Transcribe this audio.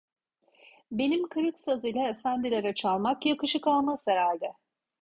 Benim kırık saz ile efendilere çalmak yakışık almaz herhalde!